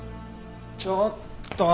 ちょっと！